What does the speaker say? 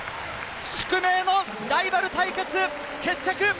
宿命のライバル対決、決着！